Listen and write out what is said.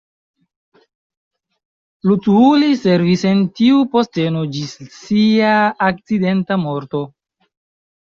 Luthuli servis en tiu posteno ĝis sia akcidenta morto.